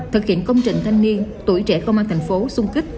thực hiện công trình thanh niên tuổi trẻ công an tp xung kích